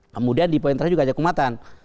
kemudian di poin terakhir juga ada keumatan